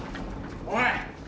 おい！